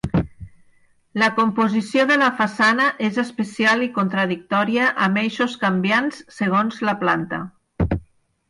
La composició de la façana és especial i contradictòria amb eixos canviants segons la planta.